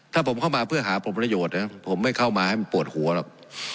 ถ้าผมเข้ามาเพื่อหาผลประโยชน์นะผมไม่เข้ามาให้มันปวดหัวหรอก